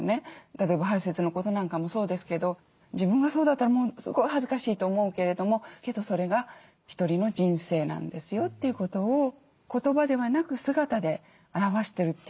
例えば排泄のことなんかもそうですけど自分がそうだったらもうすごい恥ずかしいと思うけれどもけどそれが一人の人生なんですよということを言葉ではなく姿で表してるという。